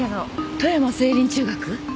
富山聖林中学？